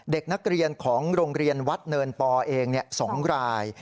เด็กนักเรียนของโรงเรียนวัดเนินปอเอง๒ราย